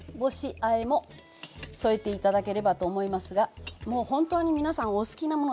あえも添えて頂ければと思いますがもう本当に皆さんお好きなもの